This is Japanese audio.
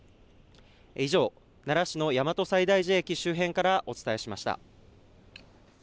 以上、奈良市の大和西大寺駅周辺からお伝えしました。